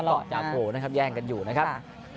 ก็จาโผล่นะครับแย่งกันอยู่นะครับ